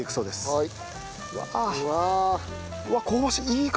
はい。